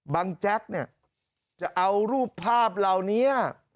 แจ๊กเนี่ยจะเอารูปภาพเหล่านี้